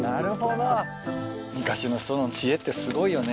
昔の人の知恵ってすごいよね。